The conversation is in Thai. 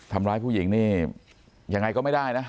ทำร้ายผู้หญิงนี่ยังไงก็ไม่ได้นะ